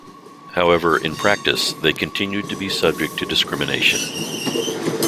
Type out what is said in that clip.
However, in practice, they continued to be subject to discrimination.